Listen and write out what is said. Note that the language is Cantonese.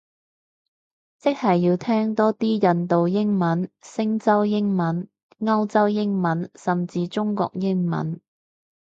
即係要聽多啲印度英文，星洲英文，歐洲英文，甚至中國英文